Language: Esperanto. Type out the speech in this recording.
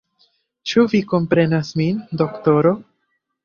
Ĉu vi komprenas min, doktoro?